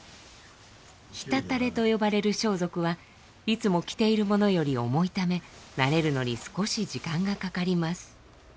直垂と呼ばれる装束はいつも着ているものより重いため慣れるのに少し時間がかかります。